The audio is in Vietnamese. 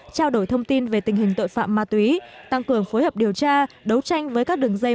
trao đổi thông tin về tình hình tội phạm ma túy tăng cường phối hợp điều tra đấu tranh với các đường dây